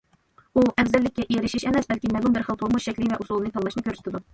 ئۇ ئەۋزەللىككە ئېرىشىش ئەمەس، بەلكى مەلۇم بىر خىل تۇرمۇش شەكلى ۋە ئۇسۇلىنى تاللاشنى كۆرسىتىدۇ.